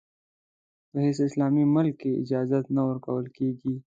په هېڅ اسلامي ملک کې اجازه نه ورکول کېږي.